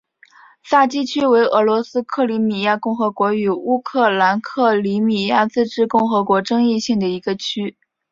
萨基区为俄罗斯克里米亚共和国与乌克兰克里米亚自治共和国争议性的一个区。